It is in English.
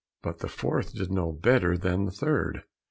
But the fourth did no better than the third.